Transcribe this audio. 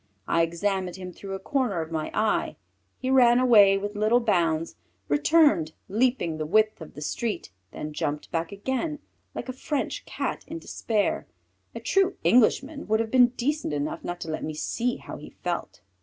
I examined him through a corner of my eye: he ran away with little bounds, returned, leaping the width of the street, then jumped back again, like a French Cat in despair. A true Englishman would have been decent enough not to let me see how he felt.